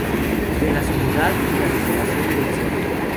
De la soledad y la desolación del ser.